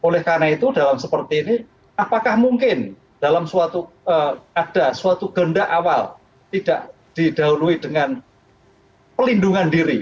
oleh karena itu dalam seperti ini apakah mungkin dalam suatu ada suatu genda awal tidak didahului dengan perlindungan diri